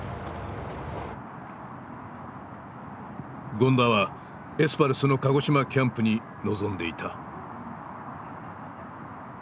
権田はエスパルスの鹿児島キャンプに臨んでいた。